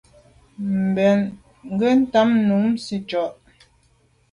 Mbèn nke ntà num nsitsha’a.